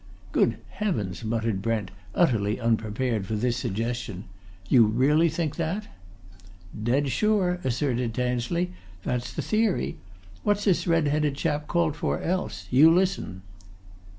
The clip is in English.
"Good heavens!" muttered Brent, utterly unprepared for this suggestion. "You really think that?" "Dead sure!" asserted Tansley. "That's the theory! What's this red headed chap called for, else? You listen!"